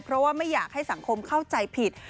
เพราะว่าไม่อยากให้สังคมเข้าใจผิด